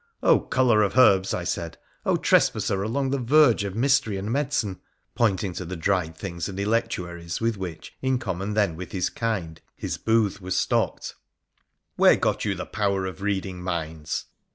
' culler of herbs,' I said, ' trespasser along the verge of mystery and medicine' — pointing to the dried things and electuaries with which, in common then with his kind, his booth was stocked — 'where got you thepower of reading minds?